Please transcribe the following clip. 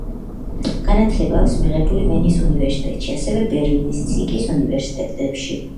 განათლება აქვს მიიღებული ვენის უნივერსიტეტში, ასევე ბერლინის, ციურიხისა და ლაიფციგის უნივერსიტეტებში.